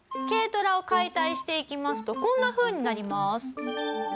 軽トラを解体していきますとこんなふうになります。